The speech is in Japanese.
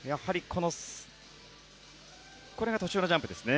これが途中のジャンプですね。